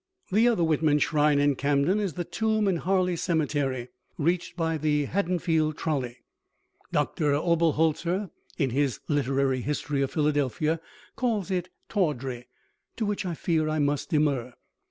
The other Whitman shrine in Camden is the tomb in Harleigh Cemetery, reached by the Haddonfield trolley. Doctor Oberholtzer, in his "Literary History of Philadelphia," calls it "tawdry," to which I fear I must demur.